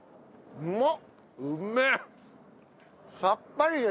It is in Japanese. うまっ。